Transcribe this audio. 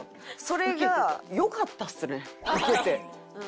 それがよかったっすねウケて。